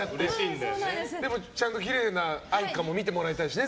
でも、ちゃんときれいな愛花も見てもらいたいしね。